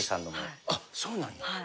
あっそうなんや。